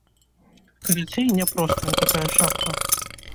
Карацей, няпростая такая шапка.